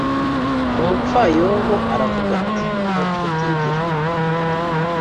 Umupfayongo aravuga ati «Nta ncuti ngira,